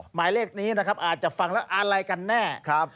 หมายเลขนี้นะครับอาจจะฟังแล้วอะไรกันแน่